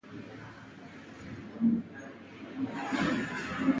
ازادي راډیو د ورزش پرمختګ او شاتګ پرتله کړی.